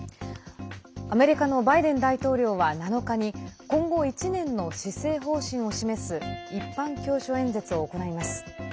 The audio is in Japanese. アメリカのバイデン大統領は７日に今後、１年の施政方針を示す一般教書演説を行います。